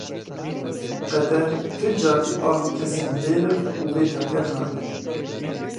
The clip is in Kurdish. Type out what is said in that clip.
Qeder ti carî alî kesên bêliv û bêtevger nake.